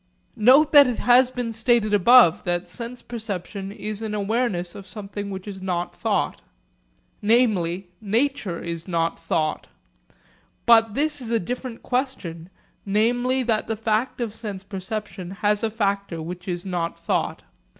Note that it has been stated above that sense perception is an awareness of something which is not thought. Namely, nature is not thought. But this is a different question, namely that the fact of sense perception has a factor which is not thought.